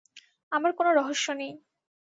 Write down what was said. আমার কোনো রহস্য নেই।